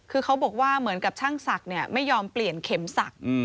คือเขาบอกว่าเหมือนกับช่างศักดิ์ไม่ยอมเปลี่ยนเข็มศักดิ์